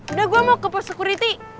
udah gue mau ke post security